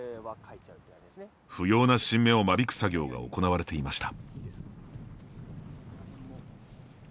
不要な新芽を間引く作業が行われていました。